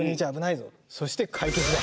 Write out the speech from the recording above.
そして解決だ。